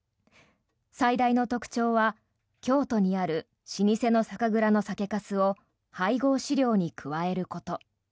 最大の特徴は京都にある老舗の酒蔵の酒かすを配合飼料に加えること。